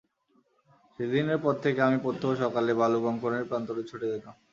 সেদিনের পর থেকে আমি প্রত্যহ সকালে বালু-কংকরের প্রান্তরে ছুটে যেতাম।